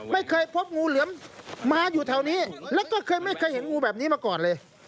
ไม่เคยพบงูเหลือมมาอยู่แถวนี้แล้วก็เคยไม่เคยเห็นงูแบบนี้มาก่อนเลย